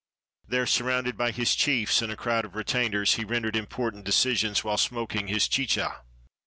There, surrounded by his chiefs and a crowd of retainers, he rendered important decisions while smoking his chicha.